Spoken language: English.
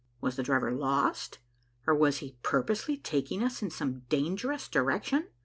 Was the driver lost, or was he purposely taking us in some dangerous direction?